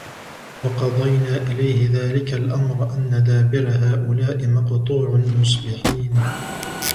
وقضينا إليه ذلك الأمر أن دابر هؤلاء مقطوع مصبحين